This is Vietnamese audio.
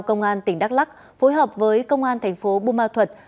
công an tp đắc lắc phối hợp với công an tp bumma thuật